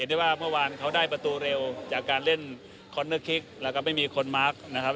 ได้ว่าเมื่อวานเขาได้ประตูเร็วจากการเล่นคอนเนอร์คิกแล้วก็ไม่มีคนมาร์คนะครับ